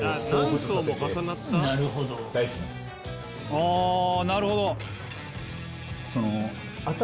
ああなるほど。